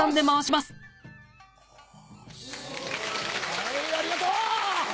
はいありがとう！